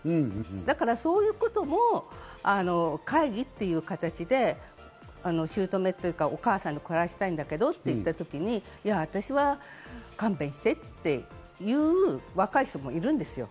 だから、そういうことも会議という形で姑というか、お母さんと暮らしたいんだけどと言った時にいや、私は勘弁してっていう若い人もいるんですよ。